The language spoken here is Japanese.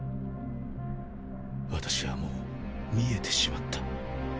私はもう見えてしまった。